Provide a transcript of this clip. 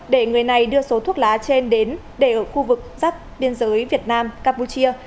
để người này đưa số thuốc lá trên đến để ở khu vực sắp biên giới việt nam campuchia